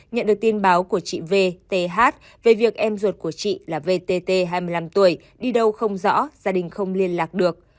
nhận được tin báo của chị vth về việc em ruột của chị là vtt hai mươi năm tuổi đi đâu không rõ gia đình không liên lạc được